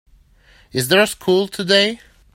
Is there school today?